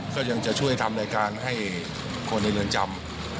ก็ยังจะช่วยทำรายการให้คนในเรือนจำ